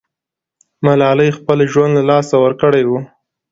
ملالۍ خپل ژوند له لاسه ورکړی وو.